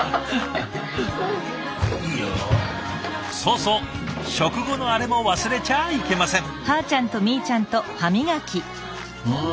そうそう食後のあれも忘れちゃいけません。